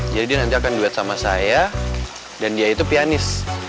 jadi dia nanti akan duet sama saya dan dia itu pianis